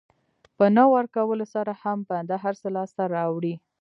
په نه ورکولو سره هم بنده هر څه لاسته راوړي.